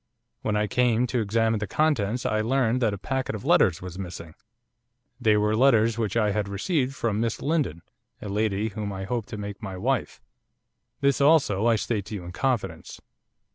When I came to examine the contents I learned that a packet of letters was missing. They were letters which I had received from Miss Lindon, a lady whom I hope to make my wife. This, also, I state to you in confidence.